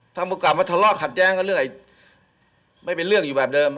ถ้ามึงกลับมาทะเลาะขัดแย้งกับเรื่องไม่เป็นเรื่องอยู่แบบเดิม